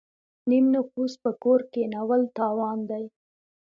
نیم نفوس په کور کینول تاوان دی.